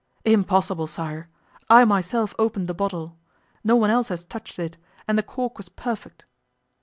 'Impossible, sire. I myself opened the bottle. No one else has touched it, and the cork was perfect.